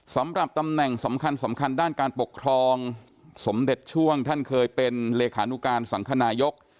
สำหรับตำแหน่งสำคัญสำคัญด้านการปกครองสมเด็จช่วงท่านเคยเป็นเลขานุการสังคนายก